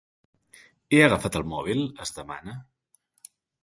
He agafat el mòbil?, es demana.